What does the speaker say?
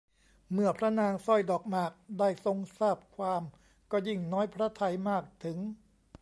เมื่อพระนางสร้อยดอกหมากได้ทรงทราบความก็ยิ่งน้อยพระทัยมากถึง